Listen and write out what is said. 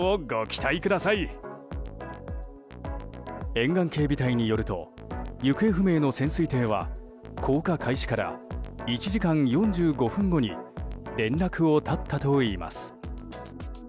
沿岸警備隊によると行方不明の潜水艇は降下開始から１時間４５分後に連絡を絶ったといいます。